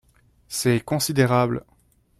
C’est considérable.